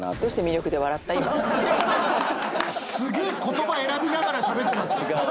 ・すげえ言葉選びながらしゃべってます。